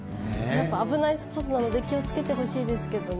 危ないスポーツなので、気をつけてほしいですけどね。